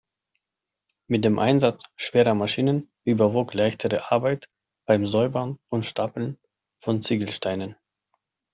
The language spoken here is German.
Mit dem Einsatz schwerer Maschinen überwog leichtere Arbeit beim Säubern und Stapeln von Ziegelsteinen.